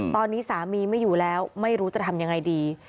ตอนนี้สามีไม่อยู่แล้วไม่รู้จะทำยังไงดี